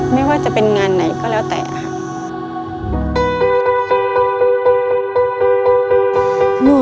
ไม่ว่าจะเป็นงานไหนก็แล้วแต่แล้วแต่